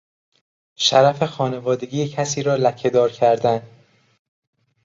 شرف خانوادگی کسی را لکهدار کردن